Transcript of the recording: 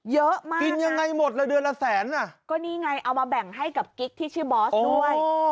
เยอะมากกินยังไงหมดเลยเดือนละแสนอ่ะก็นี่ไงเอามาแบ่งให้กับกิ๊กที่ชื่อบอสด้วย